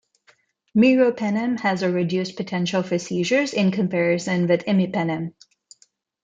Meropenem has a reduced potential for seizures in comparison with imipenem.